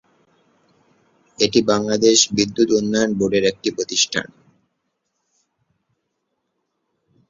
এটি বাংলাদেশ বিদ্যুৎ উন্নয়ন বোর্ডের একটি প্রতিষ্ঠান।